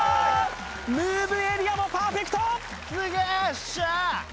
ムーブエリアもパーフェクトすげえしゃっ！